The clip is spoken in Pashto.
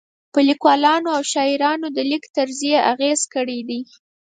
په لیکوالو او شاعرانو د لیک طرز یې اغېز کړی دی.